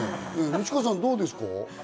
西川さん、どう思いますか。